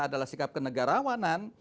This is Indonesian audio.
adalah sikap kenegarawanan